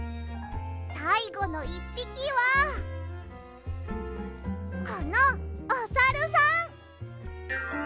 さいごの１ぴきはこのおサルさん！